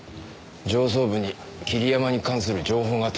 上層部に桐山に関する情報が届いたらしい。